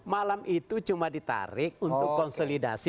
malam itu cuma ditarik untuk konsolidasi